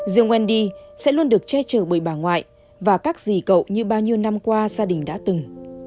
dương wendy sẽ luôn được che chở bởi bà ngoại và các gì cậu như bao nhiêu năm qua gia đình đã từng